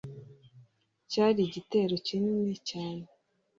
Cyari igitero kinini cyane